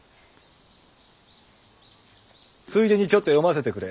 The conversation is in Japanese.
ついでにちょっと読ませてくれ。